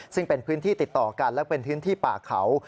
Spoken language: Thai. ซึ่งเป็นพื้นที่ติดต่อกันและเป็นพื้นที่ป่าเขา